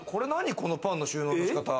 このパンの収納の仕方。